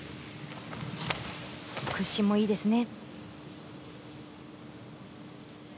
屈伸もいいですね。